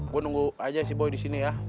gue nunggu aja si boy disini ya